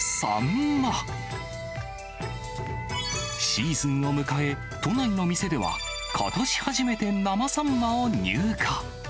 シーズンを迎え、都内の店ではことし初めて生サンマを入荷。